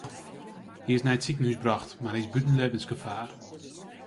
Hy is nei it sikehús brocht mar hy is bûten libbensgefaar.